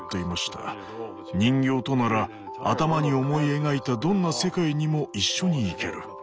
「人形となら頭に思い描いたどんな世界にも一緒に行ける」。